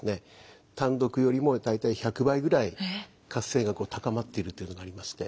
単独よりも大体１００倍ぐらい活性が高まっているというのがありまして。